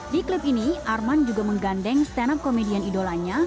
di klub ini arman juga menggandeng stand up komedian idolanya